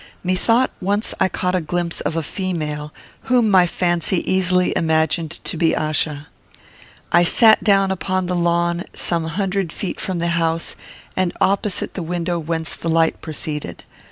Methought once I caught a glimpse of a female, whom my fancy easily imagined to be Achsa. I sat down upon the lawn, some hundred feet from the house, and opposite the window whence the light proceeded.